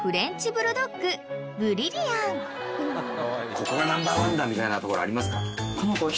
ここがナンバーワンだみたいなところありますか？